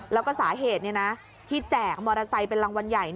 แล้วก็สาเหตุที่แจกมอเตอร์ไซค์เป็นรางวัลใหญ่